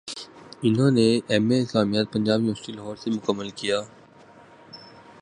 انہوں نے M A اسلامیات پنجاب یونیورسٹی لاہور سے مکمل کیا